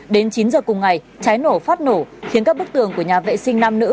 đến chín h cùng ngày trái nổ phát nổ khiến các bức tường của nhà vệ sinh nam nữ